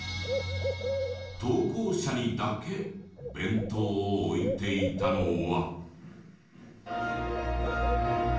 投稿者にだけ弁当を置いていたのは。